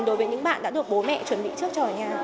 đối với những bạn đã được bố mẹ chuẩn bị trước cho ở nhà